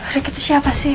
reket siapa sih